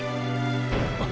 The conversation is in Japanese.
あっ。